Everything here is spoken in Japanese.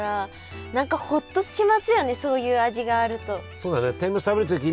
そうだね。